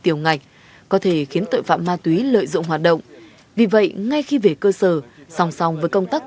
tiều ngạch có thể khiến tội phạm ma túy lợi dụng hoạt động vì vậy ngay khi về cơ sở song song với công tác